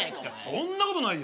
そんなことないよ。